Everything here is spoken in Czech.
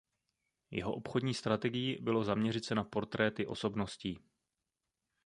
Jeho obchodní strategií bylo zaměřit se na portréty osobností.